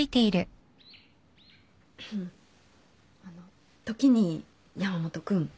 あの時に山本君。